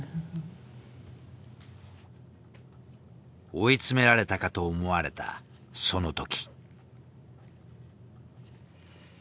追い詰められたかと思われたその時。